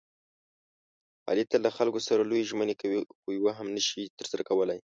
علي تل له خلکو سره لویې ژمنې کوي، خویوه هم نشي ترسره کولی.